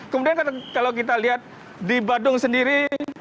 kemudian kalau kita lihat di badung sendiri